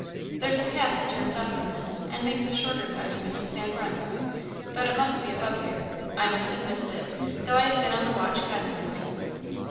"There's a path that turns off from this, and makes a shorter cut to Mrs. Van Brunt's, but it must be above here; I must have missed it, though I have been on the watch constantly."